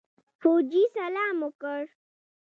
فوجي سلام وکړ.